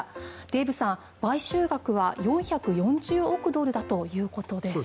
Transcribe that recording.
デーブさん、買収額は４４０億ドルだということです。